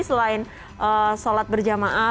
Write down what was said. selain sholat berjamaah